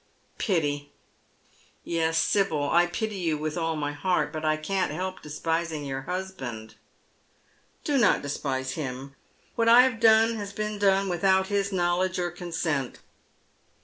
" Pity ! Yes, Sibyl, I pity you with all my heart ; but I can't help despising your husband." " Do not despise him. What I have done has been done with out his knowledge or consent.